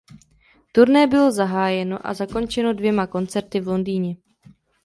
Turné bylo zahájeno a zakončeno dvěma koncerty v Londýně.